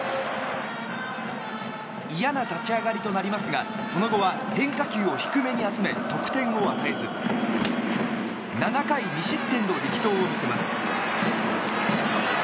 いやな立ち上がりとなりますがその後は変化球を低めに集め得点を与えず７回２失点の力投を見せます。